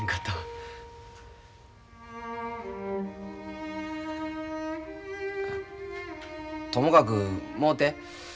ともかくもうて。